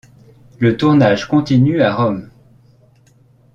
Le tournage continue à Rome.